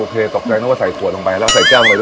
ตกใจนึกว่าใส่ขวดลงไปแล้วใส่แก้วไปด้วย